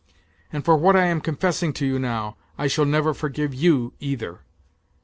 And for what I am confessing to you now, I shall never forgive you either !